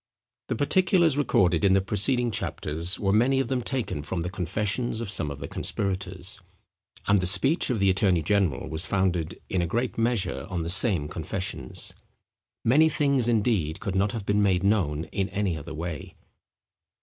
The particulars recorded in the preceding chapters were many of them taken from the confessions of some of the conspirators; and the speech of the attorney general was founded, in a great measure, on the same confessions. Many things, indeed, could not have been made known in any other way.